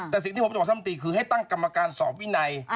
แต่สิ่งที่ผมจะบอกท่านตีคือให้ตั้งกรรมการสอบวินัย